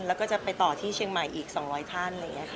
แล้วก็จะไปต่อที่เชียงใหม่อีก๒๐๐ท่าน